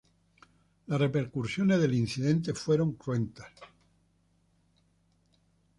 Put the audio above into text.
Las repercusiones del incidente fueron cruentas.